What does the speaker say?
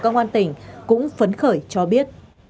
công an tỉnh cũng phấn khởi cho biết